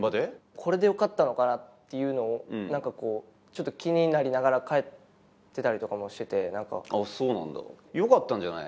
これでよかったのかなっていうのをちょっと気になりながら帰ってたりとかもしててあっそうなんだよかったんじゃない？